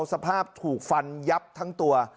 สภาพถูกฟันยับทั้งตัว